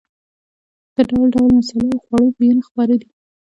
د ډول ډول مسالو او خوړو بویونه خپاره دي.